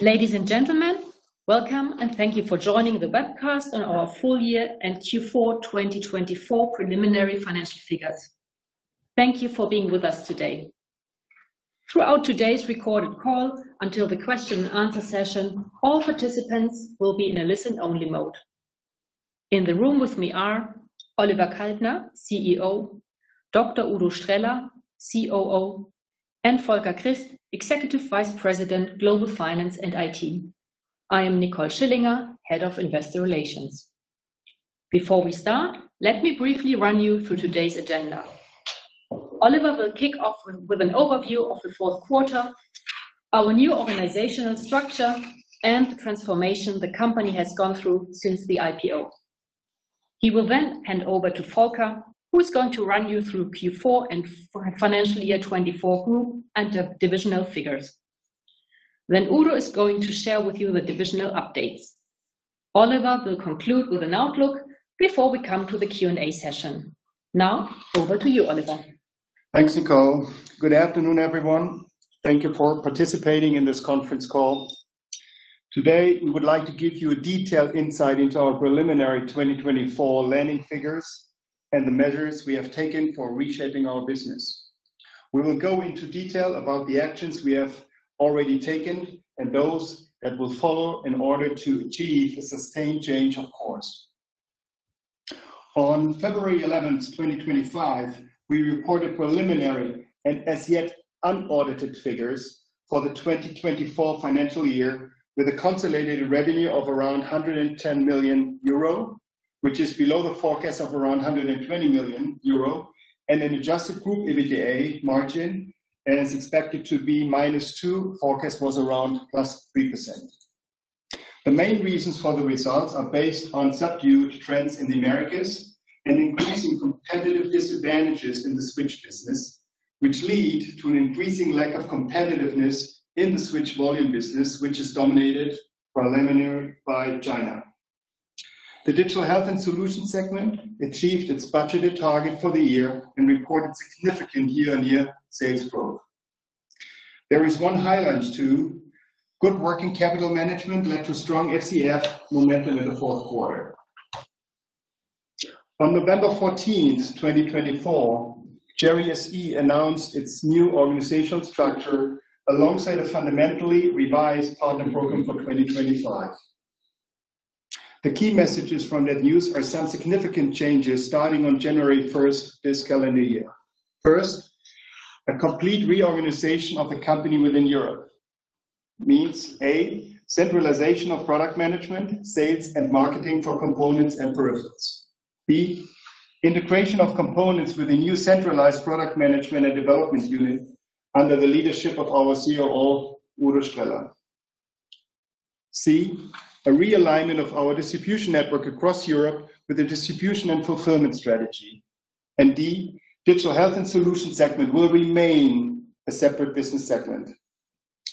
Ladies and gentlemen, welcome and thank you for joining the webcast on our full year and Q4 2024 preliminary financial figures. Thank you for being with us today. Throughout today's recorded call, until the question-and-answer session, all participants will be in a listen-only mode. In the room with me are Oliver Kaltner, CEO; Dr. Udo Streller, COO; and Volker Christ, Executive Vice President, Global Finance and IT. I am Nicole Schillinger, Head of Investor Relations. Before we start, let me briefly run you through today's agenda. Oliver will kick off with an overview of the fourth quarter, our new organizational structure, and the transformation the company has gone through since the IPO. He will then hand over to Volker, who is going to run you through Q4 and financial year 2024 group and the divisional figures. Udo is going to share with you the divisional updates. Oliver will conclude with an outlook before we come to the Q&A session. Now, over to you, Oliver. Thanks, Nicole. Good afternoon, everyone. Thank you for participating in this conference call. Today, we would like to give you a detailed insight into our preliminary 2024 landing figures and the measures we have taken for reshaping our business. We will go into detail about the actions we have already taken and those that will follow in order to achieve a sustained change of course. On February 11th, 2025, we reported preliminary and as yet unaudited figures for the 2024 financial year with a consolidated revenue of around 110 million euro, which is below the forecast of around 120 million euro, and an adjusted group EBITDA margin as expected to be minus 2%. The forecast was around plus 3%. The main reasons for the results are based on subdued trends in the Americas and increasing competitive disadvantages in the switch business, which lead to an increasing lack of competitiveness in the switch volume business, which is dominated preliminarily by China. The digital health and solutions segment achieved its budgeted target for the year and reported significant year-on-year sales growth. There is one highlight, too. Good working capital management led to strong FCF momentum in the fourth quarter. On November 14th, 2024, Cherry SE announced its new organizational structure alongside a fundamentally revised partner program for 2025. The key messages from that news are some significant changes starting on January 1st, this calendar year. First, a complete reorganization of the company within Europe means: A, centralization of product management, sales, and marketing for components and peripherals. B, integration of components with a new centralized product management and development unit under the leadership of our COO, Udo Streller. C, a realignment of our distribution network across Europe with a distribution and fulfillment strategy. D, digital health and solutions segment will remain a separate business segment.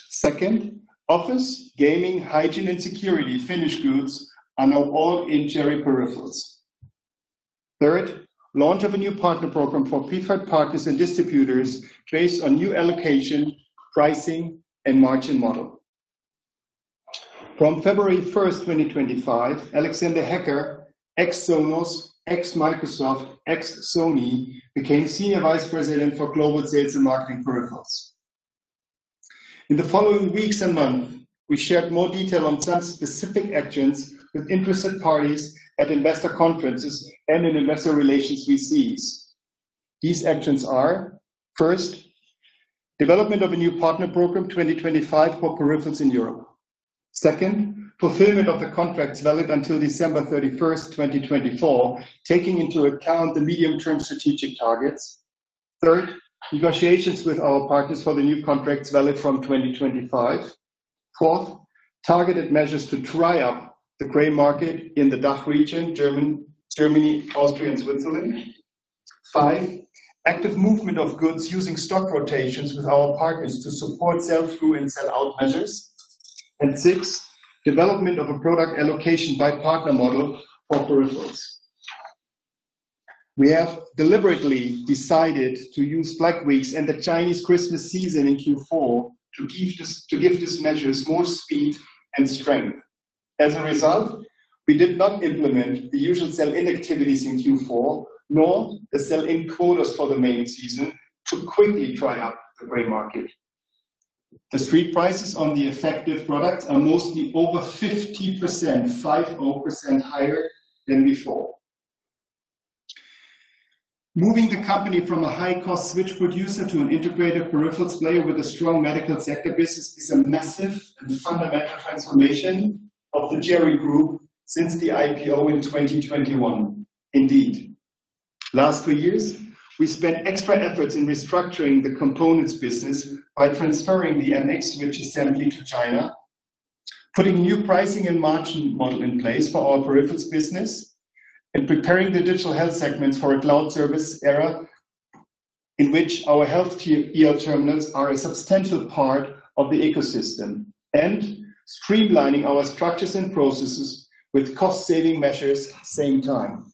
Second, office, gaming, hygiene, and security finished goods are now all in Cherry Peripherals. Third, launch of a new partner program for preferred partners and distributors based on new allocation, pricing, and margin model. From February 1st, 2025, Alexander Hecker, ex-Sonos, ex-Microsoft, ex-Sony, became Senior Vice President for Global Sales and Marketing Peripherals. In the following weeks and months, we shared more detail on some specific actions with interested parties at investor conferences and in investor relations VCs. These actions are: first, development of a new partner program 2025 for peripherals in Europe. Second, fulfillment of the contracts valid until December 31st, 2024, taking into account the medium-term strategic targets. Third, negotiations with our partners for the new contracts valid from 2025. Fourth, targeted measures to try out the gray market in the DACH region, Germany, Austria, and Switzerland. Fifth, active movement of goods using stock rotations with our partners to support sell-through and sell-out measures. Sixth, development of a product allocation by partner model for peripherals. We have deliberately decided to use Black Week and the Chinese Christmas season in Q4 to give these measures more speed and strength. As a result, we did not implement the usual sell-in activities in Q4, nor the sell-in quotas for the main season, to quickly try out the gray market. The street prices on the effective products are mostly over 50%, 5%-0% higher than before. Moving the company from a high-cost switch producer to an integrated peripherals player with a strong medical sector business is a massive and fundamental transformation of the Cherry Group since the IPO in 2021. Indeed, last two years, we spent extra efforts in restructuring the components business by transferring the MX switch assembly to China, putting new pricing and margin model in place for our peripherals business, and preparing the digital health segments for a cloud service era in which our healthcare terminals are a substantial part of the ecosystem, and streamlining our structures and processes with cost-saving measures at the same time.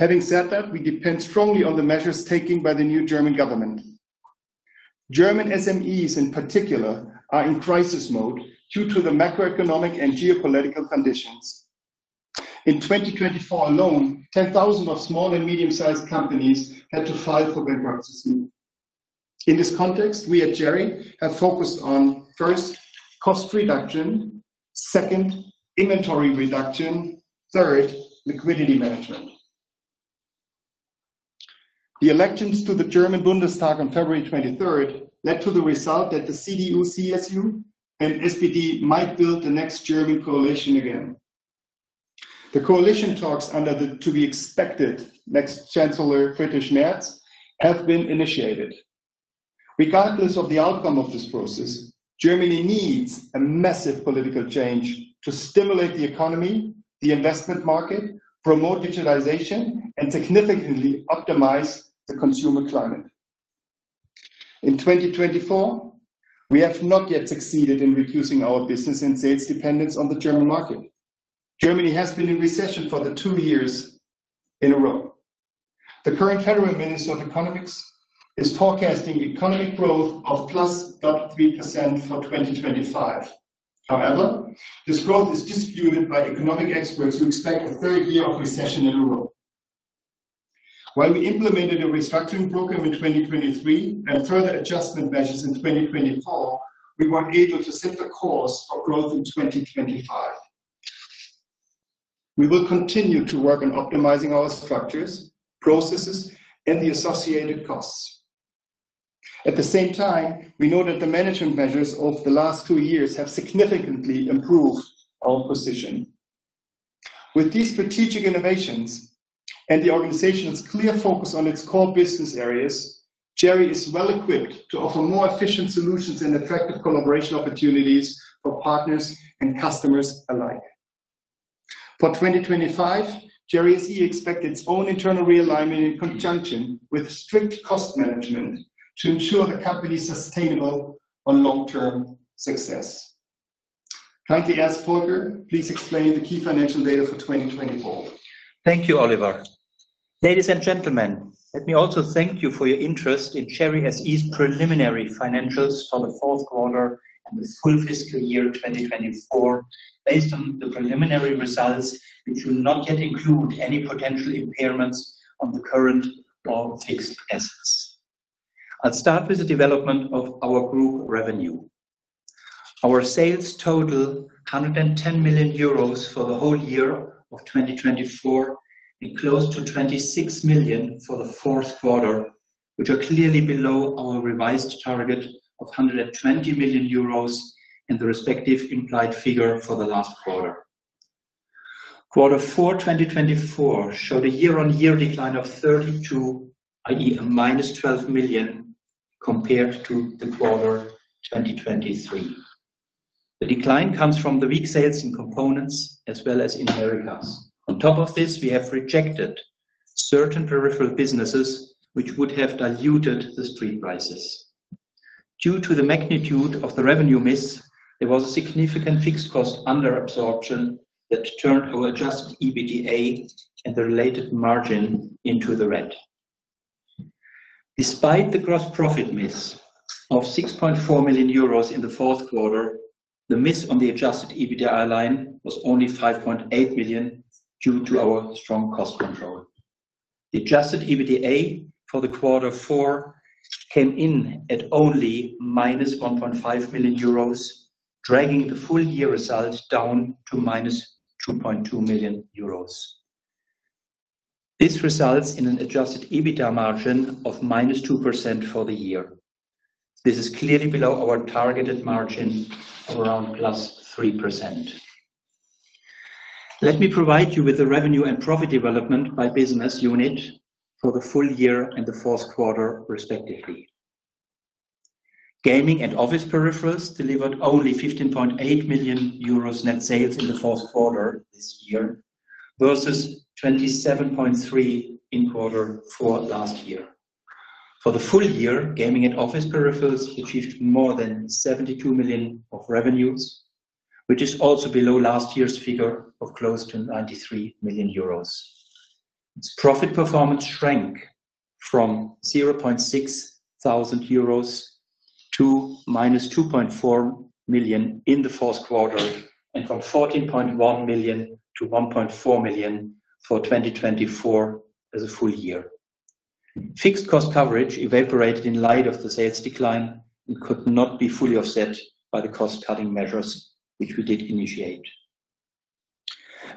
Having said that, we depend strongly on the measures taken by the new German government. German SMEs, in particular, are in crisis mode due to the macroeconomic and geopolitical conditions. In 2024 alone, 10,000 small and medium-sized companies had to file for bankruptcy. In this context, we at Cherry have focused on: first, cost reduction; second, inventory reduction; third, liquidity management. The elections to the German Bundestag on February 23rd led to the result that the CDU/CSU and SPD might build the next German coalition again. The coalition talks under the to-be-expected next Chancellor Friedrich Merz have been initiated. Regardless of the outcome of this process, Germany needs a massive political change to stimulate the economy, the investment market, promote digitalization, and significantly optimize the consumer climate. In 2024, we have not yet succeeded in reducing our business and sales dependence on the German market. Germany has been in recession for two years in a row. The current Federal Minister of Economics is forecasting economic growth of plus 3% for 2025. However, this growth is disputed by economic experts who expect a third year of recession in a row. While we implemented a restructuring program in 2023 and further adjustment measures in 2024, we were able to set the course for growth in 2025. We will continue to work on optimizing our structures, processes, and the associated costs. At the same time, we know that the management measures over the last two years have significantly improved our position. With these strategic innovations and the organization's clear focus on its core business areas, Cherry is well-equipped to offer more efficient solutions and attractive collaboration opportunities for partners and customers alike. For 2025, Cherry SE expects its own internal realignment in conjunction with strict cost management to ensure the company's sustainable and long-term success. Kindly, ask Volker, please explain the key financial data for 2024. Thank you, Oliver. Ladies and gentlemen, let me also thank you for your interest in Cherry SE's preliminary financials for the fourth quarter and the full fiscal year 2024 based on the preliminary results, which will not yet include any potential impairments on the current or fixed assets. I'll start with the development of our group revenue. Our sales totaled 110 million euros for the whole year of 2024 and close to 26 million for the fourth quarter, which are clearly below our revised target of 120 million euros and the respective implied figure for the last quarter. Quarter four 2024 showed a year-on-year decline of 32%, i.e., a minus 12 million compared to the quarter 2023. The decline comes from the weak sales in components as well as in Americas. On top of this, we have rejected certain peripheral businesses, which would have diluted the street prices. Due to the magnitude of the revenue miss, there was a significant fixed cost under absorption that turned our adjusted EBITDA and the related margin into the red. Despite the gross profit miss of 6.4 million euros in the fourth quarter, the miss on the adjusted EBITDA line was only 5.8 million due to our strong cost control. The adjusted EBITDA for the quarter four came in at only minus 1.5 million euros, dragging the full year result down to minus 2.2 million euros. This results in an adjusted EBITDA margin of minus 2% for the year. This is clearly below our targeted margin of around plus 3%. Let me provide you with the revenue and profit development by business unit for the full year and the fourth quarter, respectively. Gaming and office peripherals delivered only 15.8 million euros net sales in the fourth quarter this year versus 27.3 million in quarter four last year. For the full year, gaming and office peripherals achieved more than 72 million of revenues, which is also below last year's figure of close to 93 million euros. Profit performance shrank from 0.6 million euros to minus 2.4 million in the fourth quarter and from 14.1 million to 1.4 million for 2024 as a full year. Fixed cost coverage evaporated in light of the sales decline and could not be fully offset by the cost-cutting measures which we did initiate.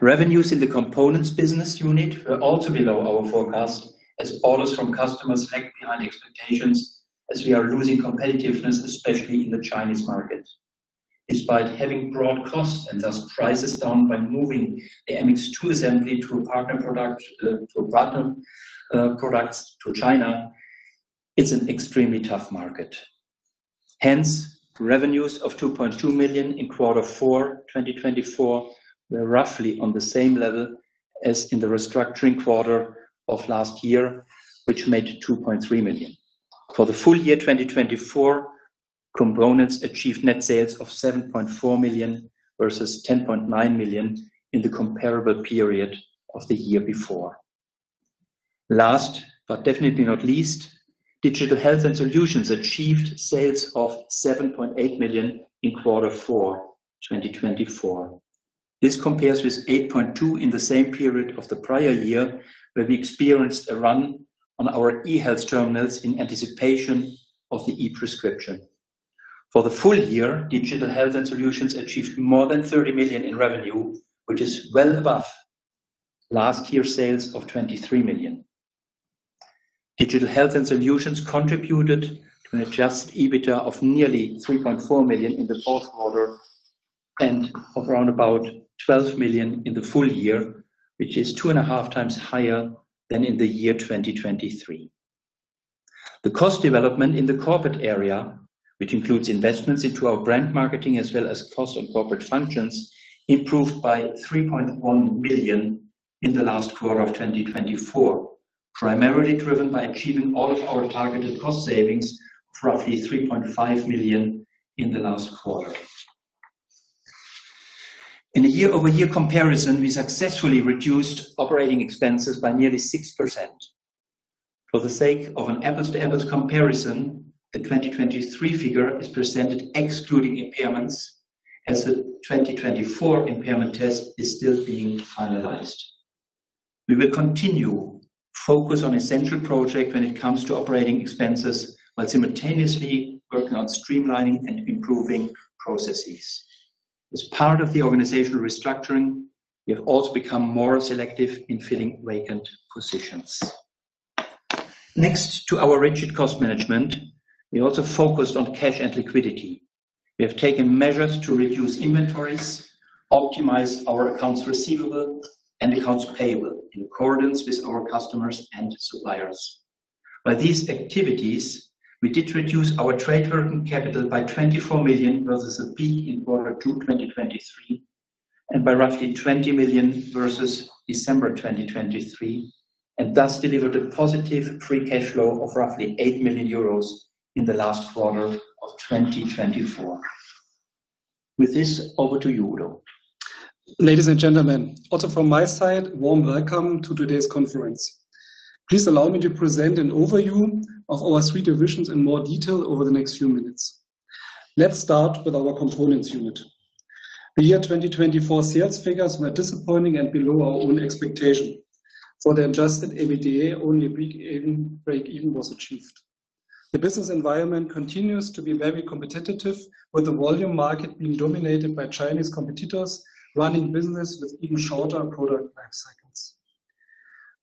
Revenues in the components business unit were also below our forecast as orders from customers lagged behind expectations as we are losing competitiveness, especially in the Chinese market. Despite having brought costs and thus prices down by moving the MX2 assembly to partner products to China, it's an extremely tough market. Hence, revenues of 2.2 million in quarter four 2024 were roughly on the same level as in the restructuring quarter of last year, which made 2.3 million. For the full year 2024, components achieved net sales of 7.4 million versus 10.9 million in the comparable period of the year before. Last but definitely not least, digital health and solutions achieved sales of 7.8 million in quarter four 2024. This compares with 8.2 million in the same period of the prior year where we experienced a run on our e-health terminals in anticipation of the e-prescription. For the full year, digital health and solutions achieved more than 30 million in revenue, which is well above last year's sales of 23 million. Digital health and solutions contributed to an adjusted EBITDA of nearly 3.4 million in the fourth quarter and of around about 12 million in the full year, which is two and a half times higher than in the year 2023. The cost development in the corporate area, which includes investments into our brand marketing as well as cost and corporate functions, improved by 3.1 million in the last quarter of 2024, primarily driven by achieving all of our targeted cost savings of roughly 3.5 million in the last quarter. In a year-over-year comparison, we successfully reduced operating expenses by nearly 6%. For the sake of an apples-to-apples comparison, the 2023 figure is presented excluding impairments as the 2024 impairment test is still being finalized. We will continue to focus on essential projects when it comes to operating expenses while simultaneously working on streamlining and improving processes. As part of the organizational restructuring, we have also become more selective in filling vacant positions. Next to our rigid cost management, we also focused on cash and liquidity. We have taken measures to reduce inventories, optimize our accounts receivable and accounts payable in accordance with our customers and suppliers. By these activities, we did reduce our trade working capital by 24 million versus a peak in quarter two 2023 and by roughly 20 million versus December 2023, and thus delivered a positive free cash flow of roughly 8 million euros in the last quarter of 2024. With this, over to Udo. Ladies and gentlemen, also from my side, warm welcome to today's conference. Please allow me to present an overview of our three divisions in more detail over the next few minutes. Let's start with our components unit. The year 2024 sales figures were disappointing and below our own expectation. For the adjusted EBITDA, only a break-even was achieved. The business environment continues to be very competitive, with the volume market being dominated by Chinese competitors running business with even shorter product lifecycles.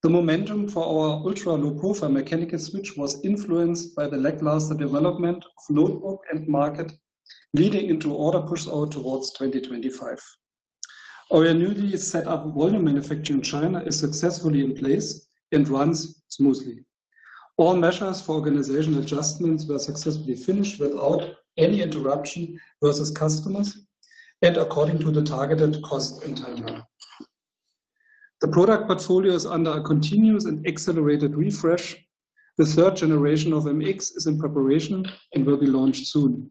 The momentum for our ultra-low-profile mechanical switch was influenced by the lackluster development of notebook end market leading into order push-out towards 2025. Our newly set up volume manufacturing in China is successfully in place and runs smoothly. All measures for organizational adjustments were successfully finished without any interruption versus customers and according to the targeted cost and timeline. The product portfolio is under a continuous and accelerated refresh. The third generation of MX is in preparation and will be launched soon.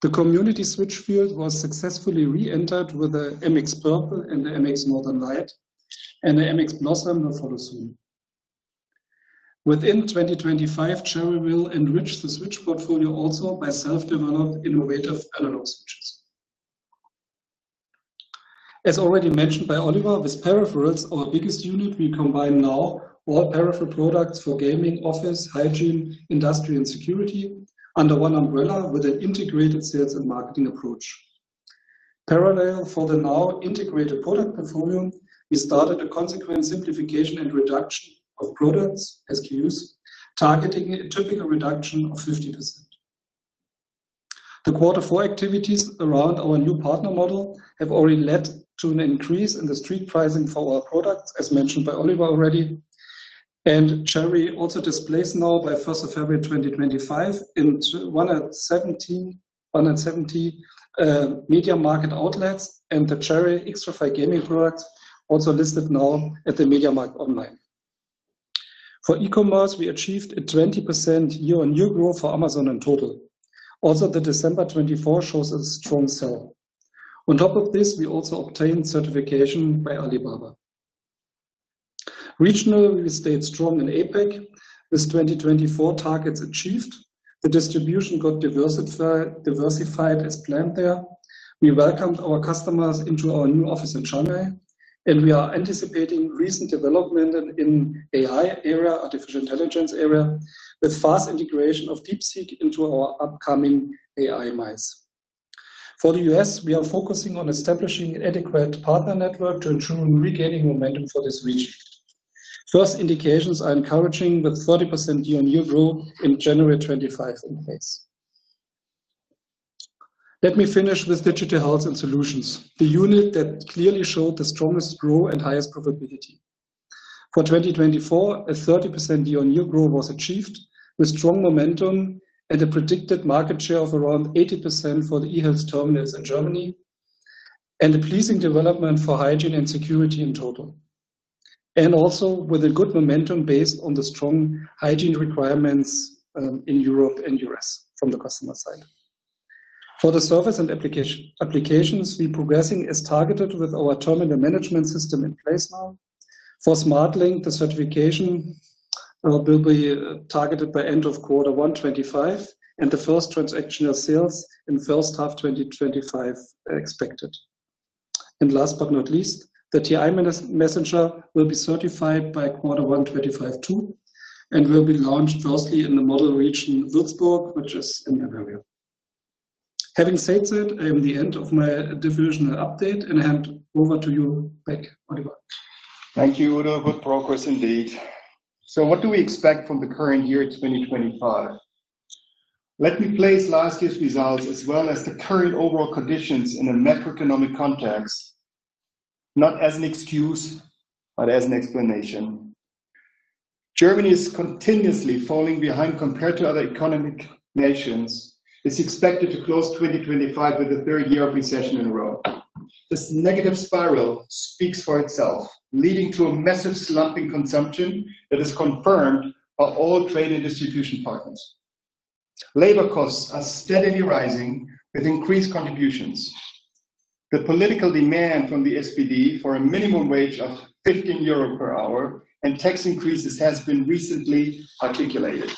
The community switch field was successfully re-entered with the MX Purple and the MX Northern Light, and the MX Blossom will follow soon. Within 2025, Cherry will enrich the switch portfolio also by self-developed innovative analog switches. As already mentioned by Oliver, with Peripherals, our biggest unit, we combine now all peripheral products for gaming, office, hygiene, industry, and security under one umbrella with an integrated sales and marketing approach. Parallel for the now integrated product portfolio, we started a consequent simplification and reduction of products, SKUs, targeting a typical reduction of 50%. The quarter four activities around our new partner model have already led to an increase in the street pricing for our products, as mentioned by Oliver already. Cherry also displays now by 1st February 2025 in 170 MediaMarkt outlets and the Cherry XTRAFY gaming products also listed now at the MediaMarkt online. For e-commerce, we achieved a 20% year-on-year growth for Amazon in total. Also, December 2024 shows a strong sell. On top of this, we also obtained certification by Alibaba. Regionally, we stayed strong in APEC. With 2024 targets achieved, the distribution got diversified as planned there. We welcomed our customers into our new office in Shanghai, and we are anticipating recent development in the AI area, artificial intelligence area, with fast integration of DeepSeek into our upcoming AI MICE. For the U.S., we are focusing on establishing an adequate partner network to ensure regaining momentum for this region. First indications are encouraging with 30% year-on-year growth in January 2025 in place. Let me finish with digital health and solutions, the unit that clearly showed the strongest growth and highest probability. For 2024, a 30% year-on-year growth was achieved with strong momentum and a predicted market share of around 80% for the e-health terminals in Germany and a pleasing development for hygiene and security in total. Also with a good momentum based on the strong hygiene requirements in Europe and the U.S. from the customer side. For the service and applications, we are progressing as targeted with our terminal management system in place now. For SmartLink, the certification will be targeted by end of quarter one 2025, and the first transactional sales in first half 2025 are expected. Last but not least, the TIM Messenger will be certified by quarter one 2025 too and will be launched firstly in the model region Würzburg, which is in Bavaria. Having said that, I am at the end of my divisional update and hand over to you back, Oliver. Thank you, Udo. Good progress indeed. What do we expect from the current year 2025? Let me place last year's results as well as the current overall conditions in a macroeconomic context, not as an excuse, but as an explanation. Germany is continuously falling behind compared to other economic nations. It is expected to close 2025 with the third year of recession in a row. This negative spiral speaks for itself, leading to a massive slump in consumption that is confirmed by all trade and distribution partners. Labor costs are steadily rising with increased contributions. The political demand from the SPD for a minimum wage of 15 euro per hour and tax increases has been recently articulated.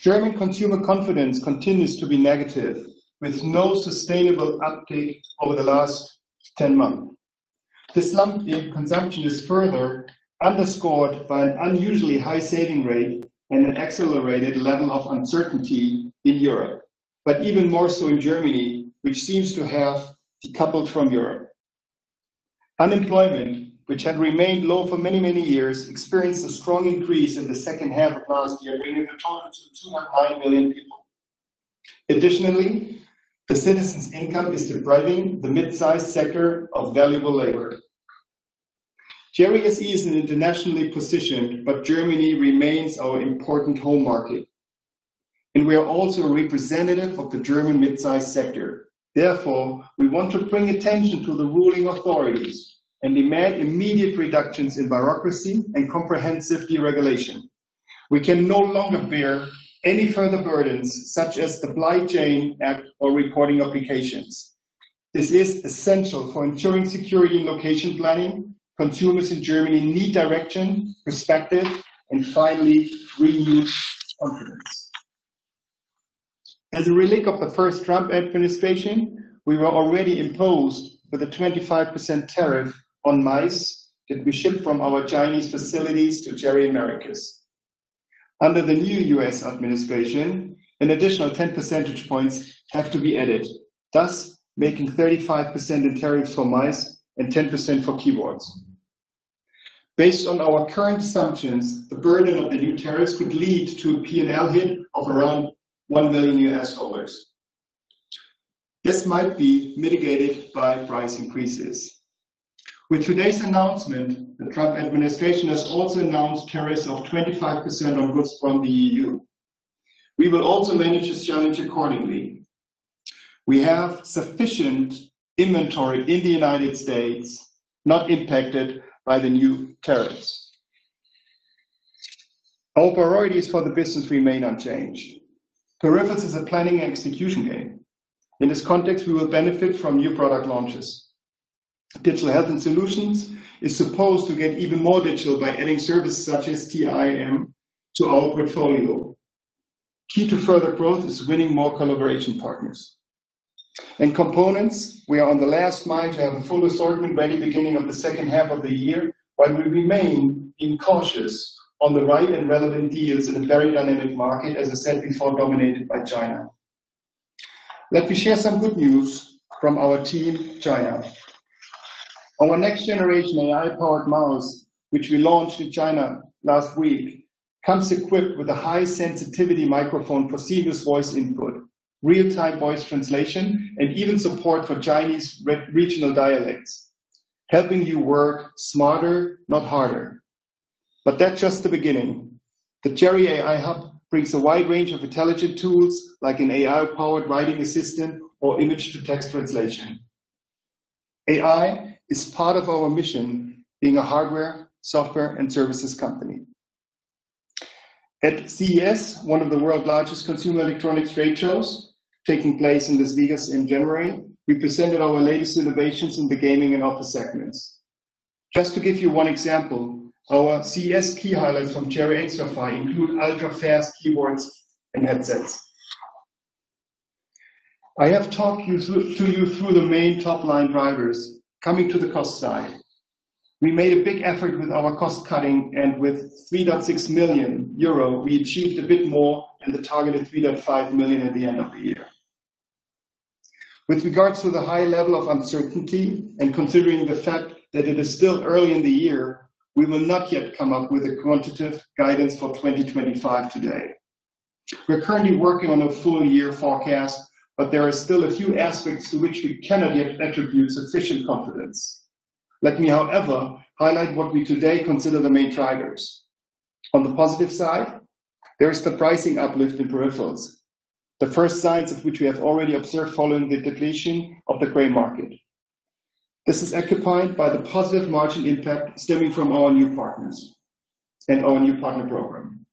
German consumer confidence continues to be negative with no sustainable uptake over the last 10 months. This slump in consumption is further underscored by an unusually high saving rate and an accelerated level of uncertainty in Europe, but even more so in Germany, which seems to have decoupled from Europe. Unemployment, which had remained low for many, many years, experienced a strong increase in the second half of last year, bringing the total to 2.09 million people. Additionally, the citizens' income is depriving the mid-sized sector of valuable labor. Cherry is internationally positioned, but Germany remains our important home market. We are also a representative of the German mid-sized sector. Therefore, we want to bring attention to the ruling authorities and demand immediate reductions in bureaucracy and comprehensive deregulation. We can no longer bear any further burdens such as the Supply Chain Act or reporting obligations. This is essential for ensuring security and location planning. Consumers in Germany need direction, perspective, and finally, renewed confidence. As a relic of the first Trump administration, we were already imposed with a 25% tariff on MICE that we ship from our Chinese facilities to Cherry Americas. Under the new U.S. administration, an additional 10 percentage points have to be added, thus making 35% in tariffs for MICE and 10% for keyboards. Based on our current assumptions, the burden of the new tariffs could lead to a P&L hit of around $1 billion. This might be mitigated by price increases. With today's announcement, the Trump administration has also announced tariffs of 25% on goods from the EU. We will also manage this challenge accordingly. We have sufficient inventory in the United States not impacted by the new tariffs. Our priorities for the business remain unchanged. Peripherals is a planning and execution game. In this context, we will benefit from new product launches. Digital health and solutions is supposed to get even more digital by adding services such as TIM to our portfolio. Key to further growth is winning more collaboration partners. In components, we are on the last mile to have a full assortment ready beginning of the second half of the year, while we remain being cautious on the right and relevant deals in a very dynamic market, as I said before, dominated by China. Let me share some good news from our team, China. Our next generation AI-powered mouse, which we launched in China last week, comes equipped with a high-sensitivity microphone for seamless voice input, real-time voice translation, and even support for Chinese regional dialects, helping you work smarter, not harder. That is just the beginning. The Cherry AI Hub brings a wide range of intelligent tools like an AI-powered writing assistant or image-to-text translation. AI is part of our mission being a hardware, software, and services company. At CES, one of the world's largest consumer electronics trade shows taking place in Las Vegas in January, we presented our latest innovations in the gaming and office segments. Just to give you one example, our CES key highlights from Cherry XTRAFY include ultra-fast keyboards and headsets. I have talked to you through the main top-line drivers coming to the cost side. We made a big effort with our cost cutting, and with 3.6 million euro, we achieved a bit more than the targeted 3.5 million at the end of the year. With regards to the high level of uncertainty and considering the fact that it is still early in the year, we will not yet come up with a quantitative guidance for 2025 today. We're currently working on a full year forecast, but there are still a few aspects to which we cannot yet attribute sufficient confidence. Let me, however, highlight what we today consider the main drivers. On the positive side, there is the pricing uplift in peripherals, the first signs of which we have already observed following the depletion of the gray market. This is occupied by the positive margin impact stemming from our new partners and our new partner program.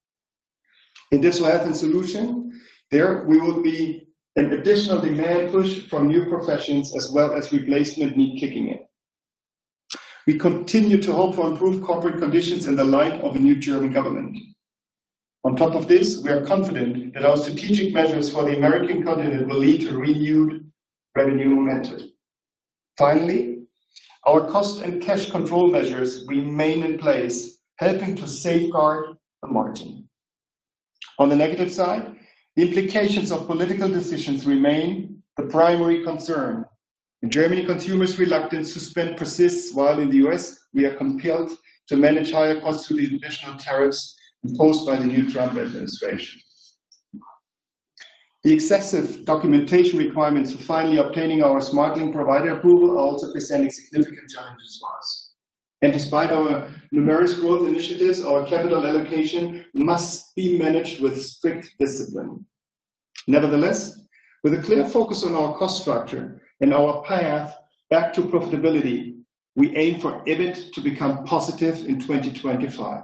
In digital Health and Solutions, there will be an additional demand push from new professions as well as replacement need kicking in. We continue to hope for improved corporate conditions in the light of a new German government. On top of this, we are confident that our strategic measures for the American continent will lead to renewed revenue momentum. Finally, our cost and cash control measures remain in place, helping to safeguard the margin. On the negative side, the implications of political decisions remain the primary concern. In Germany, consumers' reluctance to spend persists, while in the U.S., we are compelled to manage higher costs through the additional tariffs imposed by the new Trump administration. The excessive documentation requirements for finally obtaining our SmartLink provider approval are also presenting significant challenges for us. Despite our numerous growth initiatives, our capital allocation must be managed with strict discipline. Nevertheless, with a clear focus on our cost structure and our path back to profitability, we aim for EBIT to become positive in 2025.